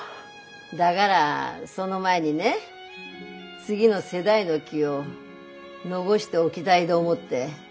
だがらその前にね次の世代の木を残しておぎだいど思って。